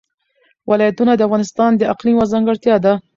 ولایتونه د افغانستان د اقلیم یوه ځانګړتیا ده.